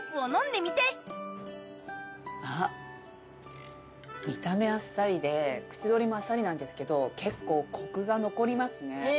見た目あっさりで口通りもあっさりなんですけど結構コクが残りますね。